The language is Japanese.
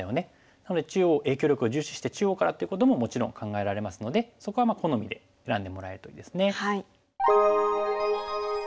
なので影響力を重視して中央からってことももちろん考えられますのでそこは好みで選んでもらえるといいですね。